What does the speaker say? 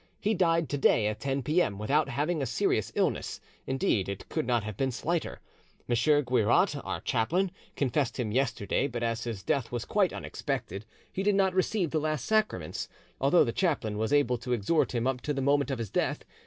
He died to day at 10 p.m. without having a serious illness, indeed it could not have been slighter. M. Guiraut, our chaplain, confessed him yesterday, but as his death was quite unexpected he did not receive the last sacraments, although the chaplain was able to exhort him up to the moment of his death.